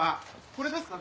これですか？